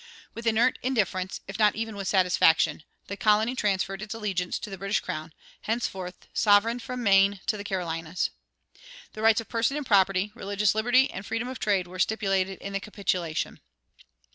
With inert indifference, if not even with satisfaction, the colony transferred its allegiance to the British crown, henceforth sovereign from Maine to the Carolinas. The rights of person and property, religious liberty, and freedom of trade were stipulated in the capitulation.